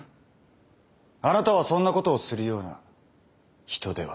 あなたはそんなことをするような人ではない。